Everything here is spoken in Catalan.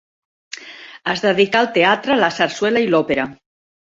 Es dedicà al teatre, la sarsuela i l'òpera.